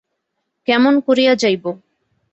কেমন করিয়া যাইব।